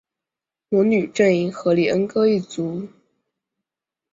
魔女阵营荷丽歌恩一族